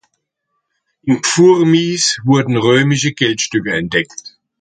In Fourmies wurden römische Geldstücke entdeckt.